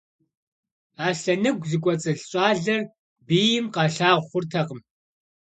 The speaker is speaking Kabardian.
Аслъэныгу зыкӀуэцӀылъ щӀалэр бийм къалъагъу хъуртэкъым.